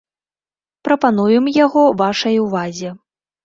Прапануем яго вашай увазе.